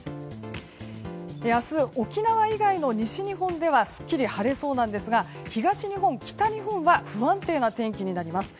明日、沖縄以外の西日本ではすっきり晴れそうなんですが東日本、北日本は不安定な天気になります。